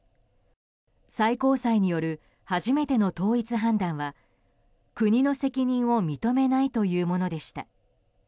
最高裁による初めての統一判断は国の責任を認めないというものでした。